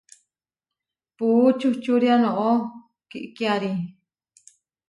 Puú čuhčúria noʼó kikiári.